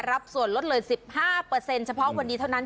รับส่วนลดเลย๑๕เฉพาะวันนี้เท่านั้น